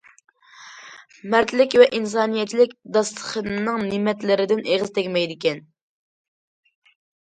مەردلىك ۋە ئىنسانىيەتچىلىك داستىخىنىنىڭ نېمەتلىرىدىن ئېغىز تەگمەيدىكەن.